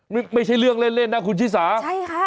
ไม่ใช่เรื่องเล่นเล่นนะคุณชิสาใช่ค่ะ